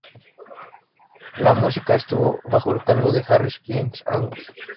La música estuvo bajo el cargo de Harry James Angus.